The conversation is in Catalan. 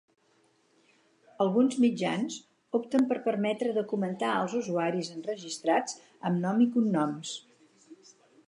Alguns mitjans opten per permetre de comentar als usuaris enregistrats amb nom i cognoms.